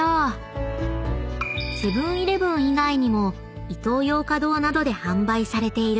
［セブン−イレブン以外にもイトーヨーカドーなどで販売されている］